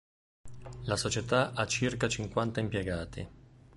La società ha circa cinquanta impiegati.